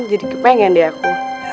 jadi kepengen deh aku